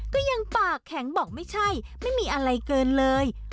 ก็ยังปากแข็งบอกไม่ใช่ไม่มีอะไรเกินเลย